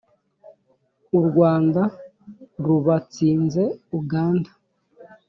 u rwanda ruba tsinze uganda